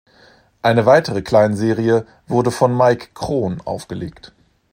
Eine weitere Kleinserie wurde von Mike Kron aufgelegt.